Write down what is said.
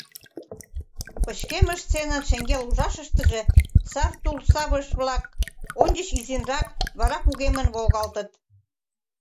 Пычкемыш сценын шеҥгел ужашыштыже сар тулсавыш-влак ончыч изинрак, вара кугемын волгалтыт.